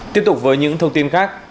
tiếp tục với những thông tin khác